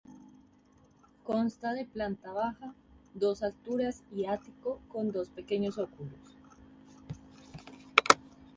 Consta de planta baja, dos alturas y ático con dos pequeños óculos.